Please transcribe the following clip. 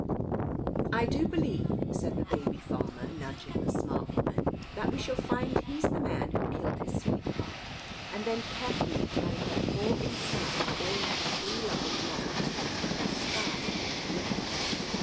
"I do believe," said the baby farmer, nudging the smart woman, "that we shall find he's the man who killed his sweetheart and then carefully tied her poor inside all into true lover's knots with sky blue ribbon.